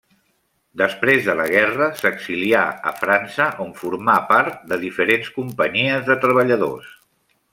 Després de la guerra s'exilià a França, on formà part de diferents companyies de treballadors.